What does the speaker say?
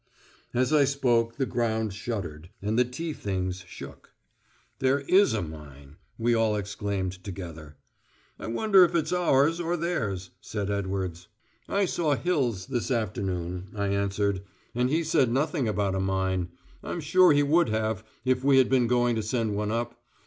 As I spoke, the ground shuddered, and the tea things shook. "There is a mine," we all exclaimed together. "I wonder if it's ours, or theirs," said Edwards. "I saw Hills, this afternoon," I answered, "and he said nothing about a mine. I'm sure he would have, if we had been going to send one up.